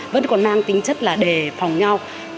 vẫn còn mang tính chất để phòng nhau